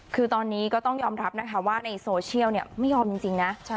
คือตอนนี้ก็ต้องยอมรับนะคะว่าในโซเชียลไม่ยอมจริงนะ